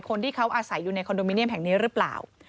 คนที่เขาอาศัยอยู่ในคอนโดมิเนียมแห่งนี้หรือเปล่า